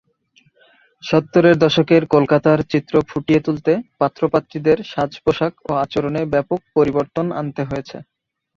সত্তরের দশকের কলকাতার চিত্র ফুটিয়ে তুলতে পাত্র-পাত্রীদের সাজ-পোশাক ও আচরণে ব্যাপক পরিবর্তন আনতে হয়েছে।